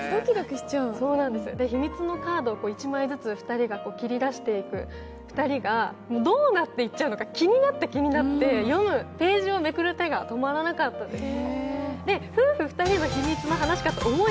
秘密のカードを１枚ずつ２人が切り出していく、２人がどうなっていっちゃうのか気になって気になって、読む、ページをめくる手が止まらなかったです。